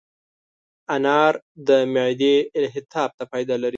انار د معدې التهاب ته فایده لري.